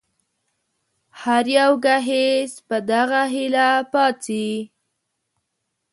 هر يو ګهيځ په دغه هيله پاڅي